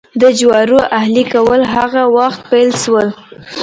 د جوارو اهلي کول هغه وخت پیل شول.